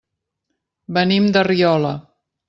Venim de Riola.